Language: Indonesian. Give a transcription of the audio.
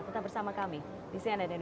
tetap bersama kami di cnn indonesia prime news